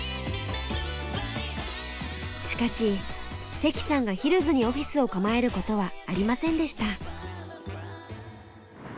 しかし関さんがヒルズにオフィスを構えることはありませんでした。